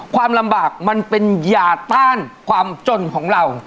ความลำบากมันเป็นยาต้านความจนของเรา